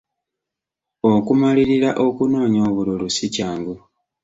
Okumalirira okunoonya obululu si kyangu.